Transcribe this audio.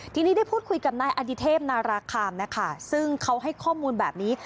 ทีนี้ได้พูดคุยกับนายอดิเทพนาราคามนะคะซึ่งเขาให้ข้อมูลแบบนี้